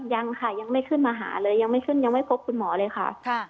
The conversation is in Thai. ยังค่ะยังไม่ขึ้นมาหาเลยยังไม่ขึ้นยังไม่พบคุณหมอเลยค่ะ